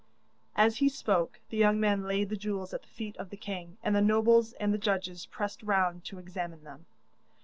As he spoke the young man laid the jewels at the feet of the king, and the nobles and the judges pressed round to examine them.